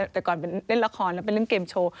แต่ก่อนเล่นละครแล้วเล่นเกมโชว์